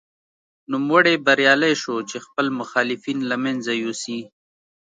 نوموړی بریالی شو چې خپل مخالفین له منځه یوسي.